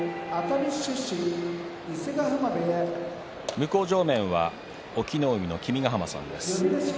向正面は隠岐の海の君ヶ濱さんです。